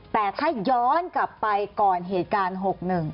แต่ถ้าย้อนกลับไปก่อนเหตุการณ์๖๑